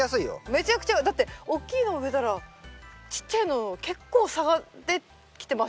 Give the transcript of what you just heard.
めちゃくちゃだって大きいの植えたらちっちゃいの結構差ができてましたよね。